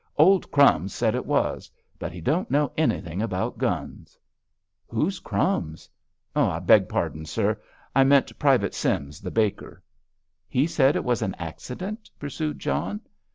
"Old 'Crumbs' said it was; but he don't know anything about guns." "Who's 'Crumbs'?" "I beg pardon, sir; I meant Private Sims, the baker." "He said it was an accident?" pursued John.